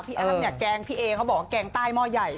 พี่อ้ำแกล้งพี่เอเขาบอกว่าแกล้งใต้หม้อใหญ่